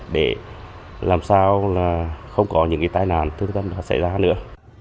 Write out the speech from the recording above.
để làm sao là không có những cái tai nạn thương tâm đã xảy ra nữa